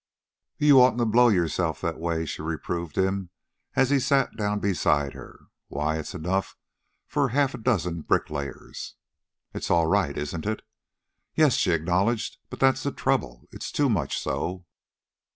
"You oughtn't to blow yourself that way," she reproved him as he sat down beside her. "Why it's enough for half a dozen bricklayers." "It's all right, isn't it?" "Yes," she acknowledged. "But that's the trouble. It's too much so."